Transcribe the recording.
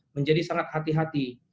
menjadi sangat hati hati